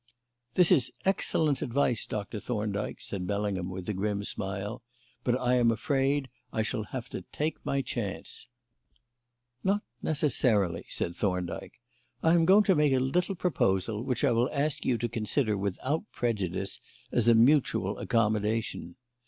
"This is excellent advice, Doctor Thorndyke," said Bellingham, with a grim smile; "but I am afraid I shall have to take my chance." "Not necessarily," said Thorndyke. "I am going to make a little proposal, which I will ask you to consider without prejudice as a mutual accommodation.